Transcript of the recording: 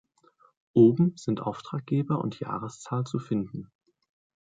Oben sind Auftraggeber und Jahreszahl zu finden.